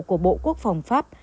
của bộ quốc phòng pháp